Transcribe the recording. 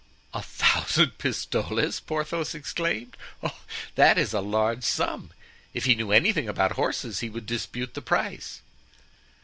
"A thousand pistoles!" Porthos exclaimed. "Oh! oh! that is a large sum. If he knew anything about horses he would dispute the price."